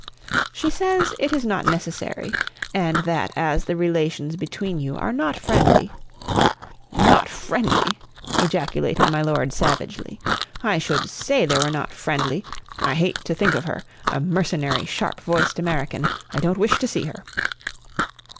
"She says it is not necessary, and that as the relations between you are not friendly " "Not friendly!" ejaculated my lord savagely; "I should say they were not friendly! I hate to think of her! A mercenary, sharp voiced American! I don't wish to see her."